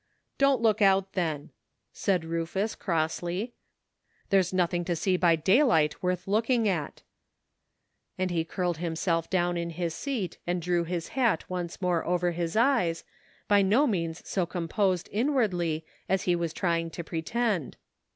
" Don't look out, then," said Rufus crossly, " there's nothing to see by daylight worth look ing at," and he curled himself down in his seat and drew his hat once more over his eyes, by no means so composed, inwardly, as he was trying to pretend.